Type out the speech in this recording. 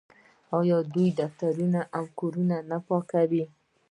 آیا دوی دفترونه او کورونه نه پاکوي؟